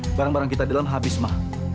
ma barang barang kita dalam habis ma